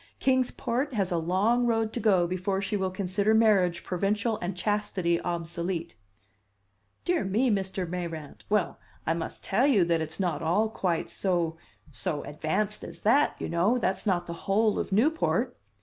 Kings Port has a long road to go before she will consider marriage provincial and chastity obsolete." "Dear me, Mr. Mayrant! Well, I must tell you that it's not all quite so so advanced as that, you know. That's not the whole of Newport."